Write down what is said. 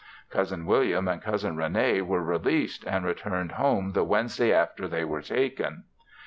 Cousin William and Cousin Rene were released and returned home the Wednesday after they were taken.